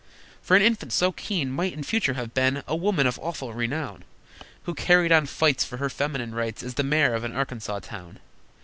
For an infant so keen Might in future have been A woman of awful renown, Who carried on fights For her feminine rights As the Mare of an Arkansas town.